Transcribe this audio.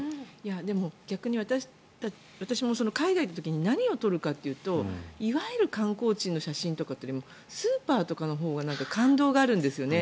でも、逆に私も海外に行った時に何を撮るかというといわゆる観光地の写真とかよりもスーパーとかのほうが感動があるんですよね。